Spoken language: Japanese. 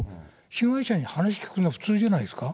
被害者に話を聞くの普通じゃないですか。